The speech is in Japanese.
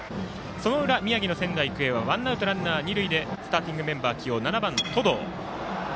その裏、宮城の仙台育英はワンアウト、ランナー、二塁でスターティングメンバー起用７番、登藤。